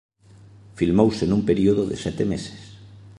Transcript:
Filmouse nun período de sete meses.